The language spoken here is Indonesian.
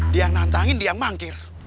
dia yang nantangin dia yang mangkir